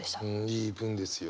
いい文ですよね。